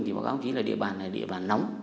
thì báo cáo chí là địa bàn là địa bàn nóng